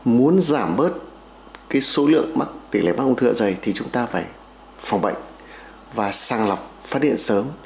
muốn giảm bớt số lượng mắc tỷ lệ mắc ung thư dạ dây thì chúng ta phải phòng bệnh và sàng lọc phát hiện sớm